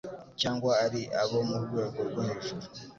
cyangwa ari abo mu rwego rwo hejuru.